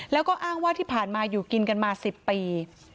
แล้วก็อ้างว่าที่ผ่านมาอยู่กินกันมา๑๐ปี